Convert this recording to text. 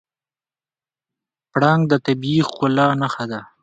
پړانګ د طبیعي ښکلا نښه ده.